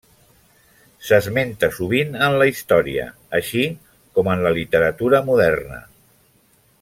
S'esmenta sovint en la història, així com en la literatura moderna.